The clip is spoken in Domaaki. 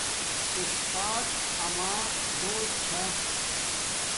اُستات اما دوست چھا